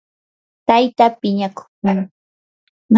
tayta piñakuqmi